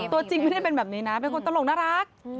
ตัวจริงไม่ได้เป็นแบบนี้นะเป็นคนตลกน่ารัก